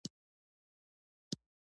پکتیکا د افغانستان د ځمکې د جوړښت نښه ده.